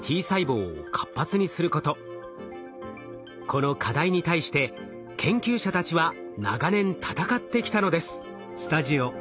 この課題に対して研究者たちは長年闘ってきたのです。